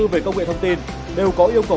về công nghệ thông tin đều có yêu cầu